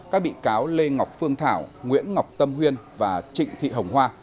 các bị cáo lê ngọc phương thảo nguyễn ngọc tâm huyên và trịnh thị hồng hoa